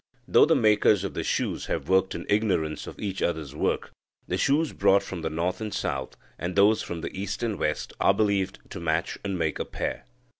Though the makers of the shoes have worked in ignorance of each others' work, the shoes brought from the north and south, and those from the east and west, are believed to match and make a pair.